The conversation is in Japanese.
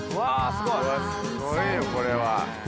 すごいよこれは。